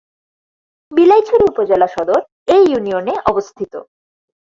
বিলাইছড়ি উপজেলা সদর এ ইউনিয়নে অবস্থিত।